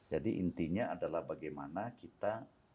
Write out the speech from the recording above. jadi intinya adalah bagaimana kita